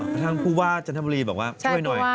เพราะฉะนั้นคือว่าจันทมบุรีบอกว่าช่วยหน่อย